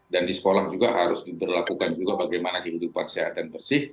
dan di sekolah juga harus diperlakukan juga bagaimana kehidupan sehat dan bersih